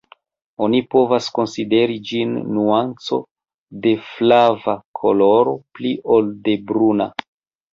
Oni povas konsideri ĝin nuanco de flava koloro pli ol de bruna.